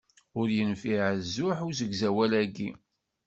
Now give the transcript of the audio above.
Ur yenfiɛ azuḥ usegzawal-ayi.